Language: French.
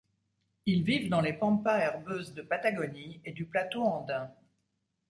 Ils vivent dans les pampas herbeuses de Patagonie et du plateau andin.